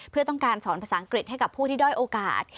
เพื่อต้องการสอนภาษาอังกฤษให้กับผู้ที่ด้อยโอกาส